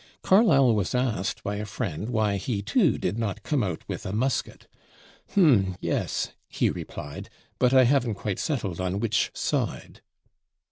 Carlyle was asked by a friend why he too did not come out with a musket. "Hm! yes," he replied, "but I haven't quite settled on which side."